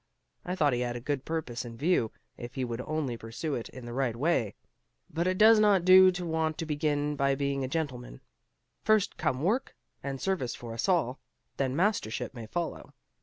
I thought he had a good purpose in view if he would only pursue it the right way. But it does not do to want to begin by being a gentleman. First come work, and service for us all, then mastership may follow.